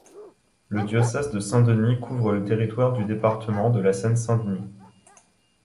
Le diocèse de Saint-Denis couvre le territoire du département de la Seine-Saint-Denis.